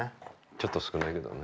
ちょっと少ないけどね。